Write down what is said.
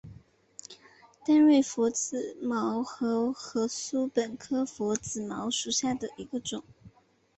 单蕊拂子茅为禾本科拂子茅属下的一个种。